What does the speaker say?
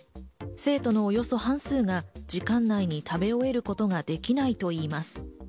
生徒のおよそ半数が時間内に食べ終えることができないといいます。